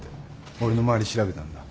俺の周り調べたんだ？